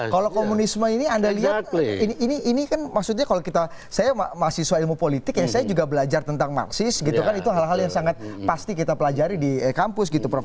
kalau komunisme ini anda lihat ini kan maksudnya kalau kita saya mahasiswa ilmu politik ya saya juga belajar tentang marxis gitu kan itu hal hal yang sangat pasti kita pelajari di kampus gitu prof